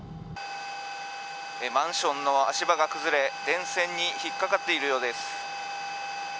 マンションの足場が崩れ電線に引っかかっているようです。